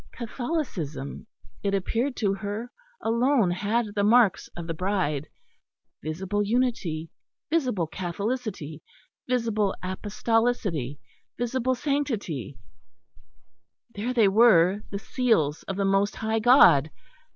Catholicism, it appeared to her, alone had the marks of the Bride, visible unity, visible Catholicity, visible Apostolicity, visible Sanctity; there they were, the seals of the most High God.